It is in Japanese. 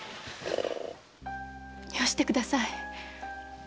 よしてください。